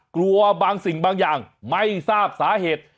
กลัวบางสิ่งบางอย่างไม่ทราบสาเหตุ